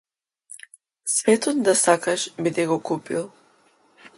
Светот да сакаш би ти го купил.